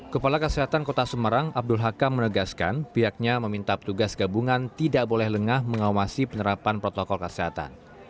kepala kesehatan kota semarang abdul hakam menegaskan pihaknya meminta petugas gabungan tidak boleh lengah mengawasi penerapan protokol kesehatan